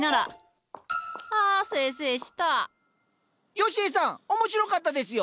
よしえさん面白かったですよ。